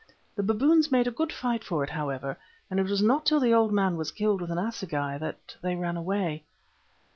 The baboons made a good fight for it, however, and it was not till the old man was killed with an assegai that they ran away.